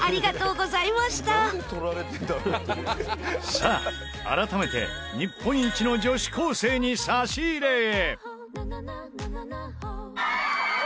さあ改めて日本一の女子高生に差し入れへ！